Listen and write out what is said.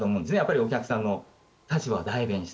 お客さんの立場を代弁して。